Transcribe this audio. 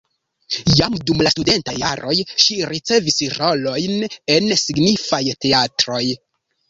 Jam dum la studentaj jaroj ŝi ricevis rolojn en signifaj teatroj.